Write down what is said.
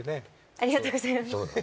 ありがとうございます。